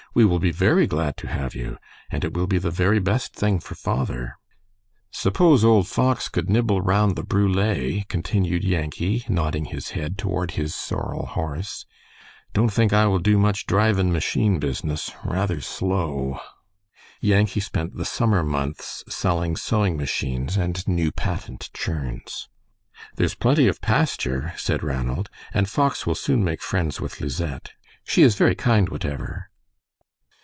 "We will be very glad to have you, and it will be the very best thing for father." "S'pose old Fox cud nibble round the brule," continued Yankee, nodding his head toward his sorrel horse. "Don't think I will do much drivin' machine business. Rather slow." Yankee spent the summer months selling sewing machines and new patent churns. "There's plenty of pasture," said Ranald, "and Fox will soon make friends with Lisette. She is very kind, whatever."